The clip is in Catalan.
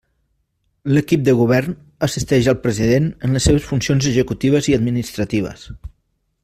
L'Equip de Govern assisteix al president en les seves funcions executives i administratives.